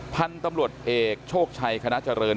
พันธุ์ตำรวจเอกโชคชัยคณะเจริญ